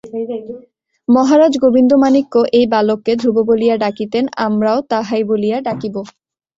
মহারাজ গোবিন্দমাণিক্য এই বালককে ধ্রুব বলিয়া ডাকিতেন, আমরাও তাহাই বলিয়া ডাকিব।